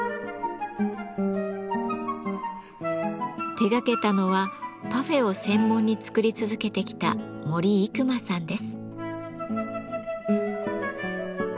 手がけたのはパフェを専門に作り続けてきた森郁磨さんです。